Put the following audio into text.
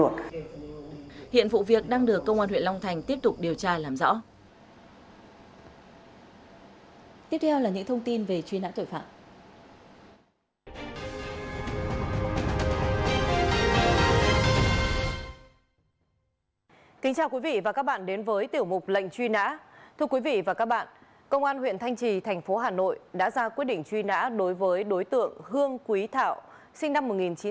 thưa quý vị và các bạn công an huyện thanh trì thành phố hà nội đã ra quyết định truy nã đối với đối tượng hương quý thảo sinh năm một nghìn chín trăm bảy mươi bảy